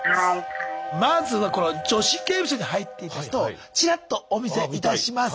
まずはこの「女子刑務所に入っていた人」をちらっとお見せいたします。